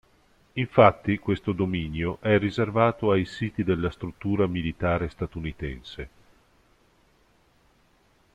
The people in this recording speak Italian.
Infatti questo dominio è riservato ai siti della struttura militare statunitense.